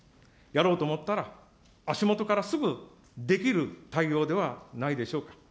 やろうと思ったら、足元からすぐできる対応ではないでしょうか。